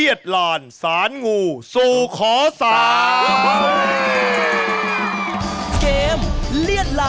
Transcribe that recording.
เย้